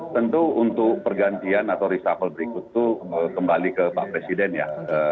tentu untuk pergantian atau reshuffle berikut itu kembali ke pak presiden ya